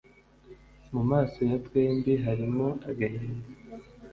Mu maso ya twembi harimo agahinda